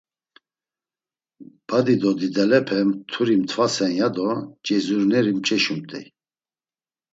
Badi do didalepe mturi mtvasen ya do cezurineri mç̌eşumt̆ey.